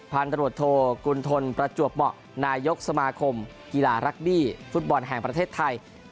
พันตรวจโทกุณฑลประจวบเหมาะนายกสมาคมกีฬารักบี้ฟุตบอลแห่งประเทศไทย